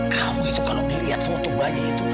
kamu itu kalau melihat foto bayi itu